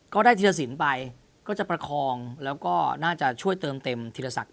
ก็ได้ทีรสินไปก็จะประคองแล้วก็น่าจะช่วยเติมทีรศักดิ์